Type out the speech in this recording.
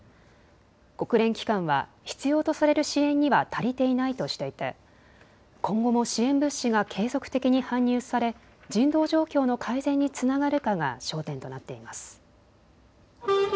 国連機関は必要とされる支援には足りていないとしていて今後も支援物資が継続的に搬入され人道状況の改善につながるかが焦点となっています。